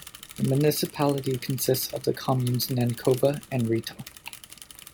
The municipality consists of the communes Nancova and Rito.